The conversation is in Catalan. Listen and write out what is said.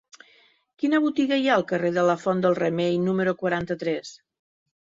Quina botiga hi ha al carrer de la Font del Remei número quaranta-tres?